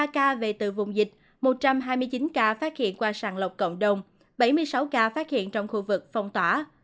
ba ca về từ vùng dịch một trăm hai mươi chín ca phát hiện qua sàng lọc cộng đồng bảy mươi sáu ca phát hiện trong khu vực phong tỏa